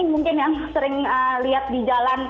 mungkin yang sering lihat di jalan